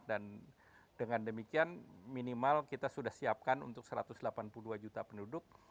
dan dengan demikian minimal kita sudah siapkan untuk satu ratus delapan puluh dua juta penduduk